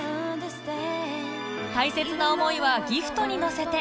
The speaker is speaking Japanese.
大切な思いはギフトに乗せて